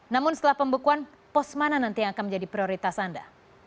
namun setelah pembekuan pos mana nanti yang akan menjadi prioritas anda